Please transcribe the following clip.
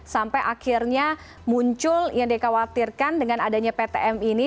sampai akhirnya muncul yang dikhawatirkan dengan adanya ptm ini